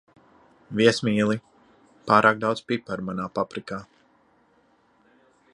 Viesmīli, pārāk daudz piparu manā paprikā.